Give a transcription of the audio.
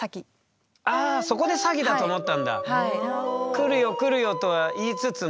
来るよ来るよとは言いつつも。